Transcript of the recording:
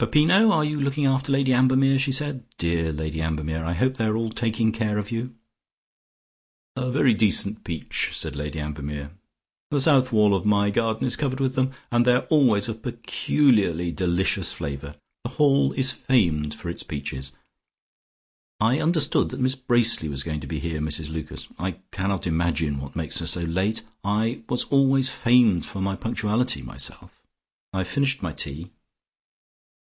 "Peppino, are you looking after Lady Ambermere?" she said. "Dear Lady Ambermere, I hope they are all taking care of you." "A very decent peach," said Lady Ambermere. "The south wall of my garden is covered with them, and they are always of a peculiarly delicious flavour. The Hall is famed for its peaches. I understood that Miss Bracely was going to be here, Mrs Lucas. I cannot imagine what makes her so late. I was always famed for my punctuality myself. I have finished my tea."